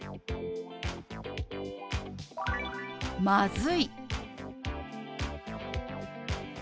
「まずい」。